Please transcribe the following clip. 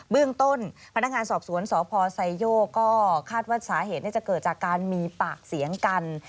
เรื่องต้นพนักงานสอบสวนสพไซโยกก็คาดว่าสาเหตุน่าจะเกิดจากการมีปากเสียงกัน